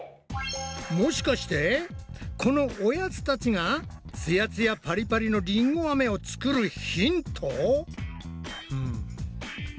もしかしてこのおやつたちがつやつやパリパリのりんごアメをつくるヒント？